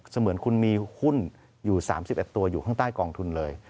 เหมือนคุณมีหุ้นอยู่๓๑ตัวอยู่ข้างใต้กองทุนเลย